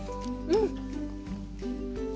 うん！